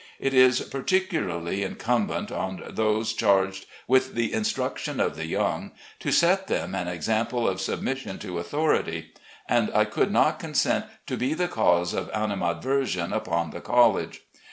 It is particularly incumbent on those charged with the instruction of the young to set them an example of submission to authority, and I could not consent to be the cause of animadversion upon the college.